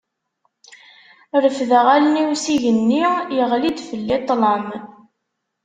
Refdeɣ allen-iw s igenni, yeɣli-d fell-i ṭlam.